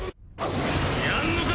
やんのか？